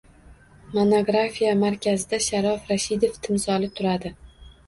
Monografiya markazida Sharof Rashidov timsoli turadi